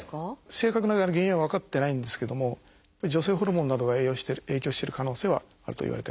正確な原因は分かってないんですけども女性ホルモンなどが影響してる可能性はあるといわれてます。